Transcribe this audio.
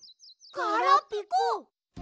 ガラピコ！